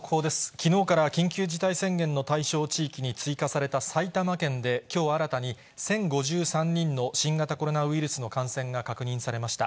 きのうから緊急事態宣言の対象地域に追加された埼玉県できょう新たに、１０５３人の新型コロナウイルスの感染が確認されました。